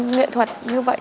nghệ thuật như vậy